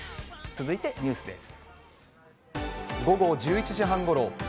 続いてニュースです。